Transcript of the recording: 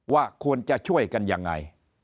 ว่าควรจะช่วยกันยังไง